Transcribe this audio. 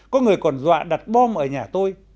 có người còn dọa đặt bom ở nhà tôi